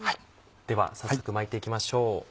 では早速巻いていきましょう。